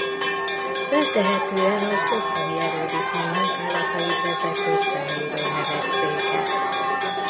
Feltehetően az ottani erődítmény munkálatait vezető személyről nevezték el.